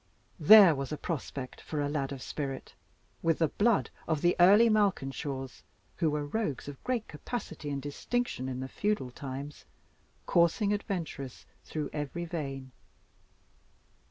There was a prospect for a lad of spirit, with the blood of the early Malkinshaws (who were Rogues of great capacity and distinction in the feudal times) coursing adventurous through every vein!